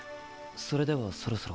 それではそろそろ。